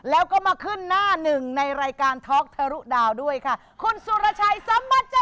แล้วก็มาขึ้นหน้าหนึ่งในรายการท็อกทะลุดาวด้วยค่ะคุณสุรชัยสัมบัจจัย